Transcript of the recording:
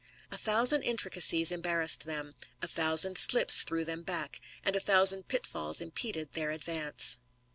A thousand intricaciea embarrassed them, a thousand slips threw them back, and a thousand pitfalls impeded their advance.